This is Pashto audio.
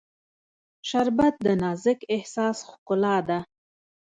شربت د نازک احساس ښکلا ده